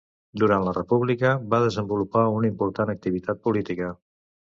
Durant la República va desenvolupar una important activitat política.